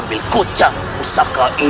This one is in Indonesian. tidak ada apa apa